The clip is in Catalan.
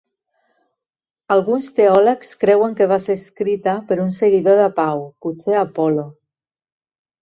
Alguns teòlegs creuen que va ser escrita per un seguidor de Pau, potser Apol·lo.